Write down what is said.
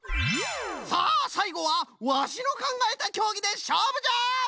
さあさいごはワシのかんがえたきょうぎでしょうぶじゃ！